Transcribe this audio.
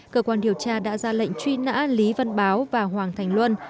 cơ quan điều tra đã ra lệnh truy nã lý văn báo và hoàng thành luân